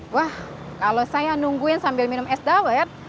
wah kalau saya nungguin sambil minum es dawet